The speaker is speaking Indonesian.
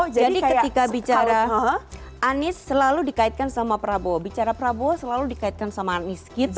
jadi ketika bicara anies selalu dikaitkan sama prabowo bicara prabowo selalu dikaitkan sama anies gitu